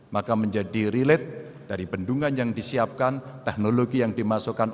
maka menjadi relate dari bendungan yang disiapkan teknologi yang dimasukkan